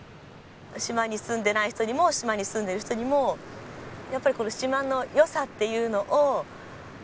島に住んでない人にも島に住んでる人にもやっぱりこの島の良さっていうのを発信していく。